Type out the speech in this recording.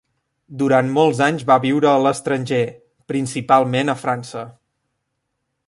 Durant molts anys va viure a l'estranger, principalment a França.